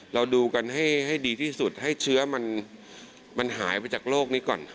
เราดูกันให้ดีที่สุดให้เชื้อมันหายไปจากโลกนี้ก่อน